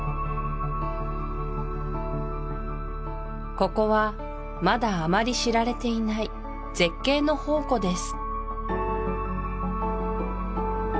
ここはまだあまり知られていない絶景の宝庫です